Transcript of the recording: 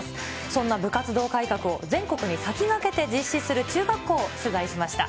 そんな部活動改革を全国に先駆けて実施する中学校、取材しました。